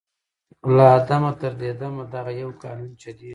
« له آدمه تر دې دمه دغه یو قانون چلیږي